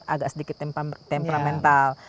agak sedikit temperamental